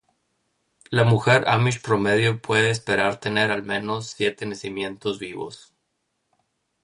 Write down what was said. La mujer amish promedio puede esperar tener al menos siete nacimientos vivos.